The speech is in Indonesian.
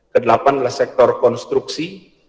kedelapan adalah sektor konstruksi